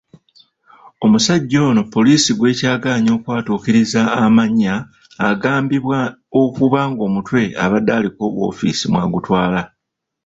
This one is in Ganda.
Omusajja ono poliisi gw'ekyagaanye okwatuukiriza amannya agambibwa okuba ng'omutwe abadde aliko wofiisi mw'agutwala.